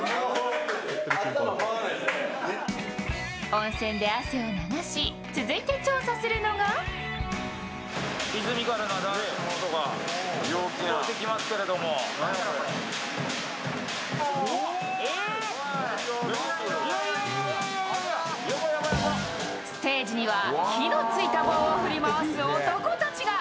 温泉で汗を流し続いて調査するのがステージには火のついた棒を振り回す男たちが。